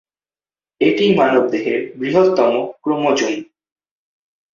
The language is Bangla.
এটি মানবদেহের বৃহত্তম ক্রোমোজোম।